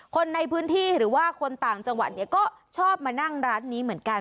คนในพื้นที่หรือว่าคนต่างจังหวัดเนี่ยก็ชอบมานั่งร้านนี้เหมือนกัน